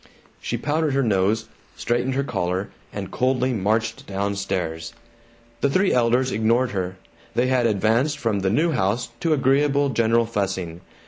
She powdered her nose, straightened her collar, and coldly marched down stairs. The three elders ignored her. They had advanced from the new house to agreeable general fussing.